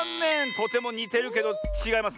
とてもにてるけどちがいますねえ。